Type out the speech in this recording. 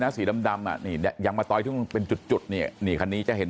นะสีดำอ่ะนี่ยังมาต่อยังเป็นจุดเนี่ยนี่คันนี้จะเห็น